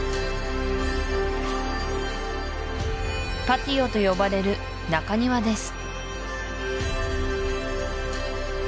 パティオと呼ばれる中庭です